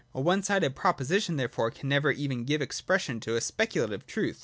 A one sided proposition therefore can never even give expression to a speculative truth.